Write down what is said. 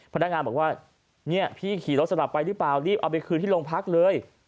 พนักงานบอกว่าเนี่ยพี่ขี่รถสลับไปหรือเปล่ารีบเอาไปคืนที่โรงพักเลย